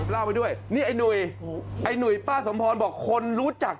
เล่าไปด้วยนี่ไอ้หนุ่ยไอ้หนุ่ยป้าสมพรบอกคนรู้จัก